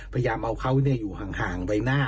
พยายามเอาเขาอยู่ห่างใบหน้า